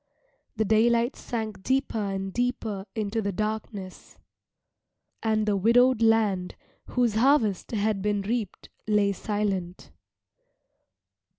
The daylight sank deeper and deeper into the darkness, and the widowed land, whose harvest had been reaped, lay silent.